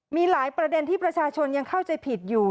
มีหลายประเด็นที่ประชาชนยังเข้าใจผิดอยู่